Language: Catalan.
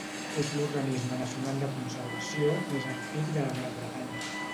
És l'organisme nacional de conservació més antic de la Gran Bretanya.